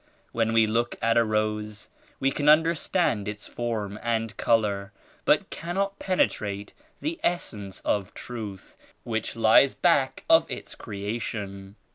When we look at a rose we can understand its form and color but cannot penetrate the Essence of Truth which lies back of its creation.